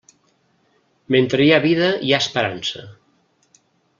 Mentre hi ha vida hi ha esperança.